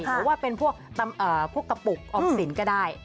หรือว่าเป็นพวกกระปุกออมสินก็ได้